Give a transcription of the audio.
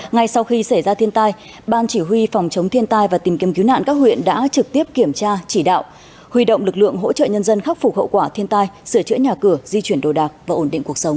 ngay sau khi xảy ra thiên tai ban chỉ huy phòng chống thiên tai và tìm kiếm cứu nạn các huyện đã trực tiếp kiểm tra chỉ đạo huy động lực lượng hỗ trợ nhân dân khắc phục hậu quả thiên tai sửa chữa nhà cửa di chuyển đồ đạc và ổn định cuộc sống